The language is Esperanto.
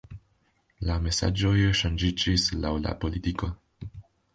La mesaĝoj ŝanĝiĝis laŭ la politiko.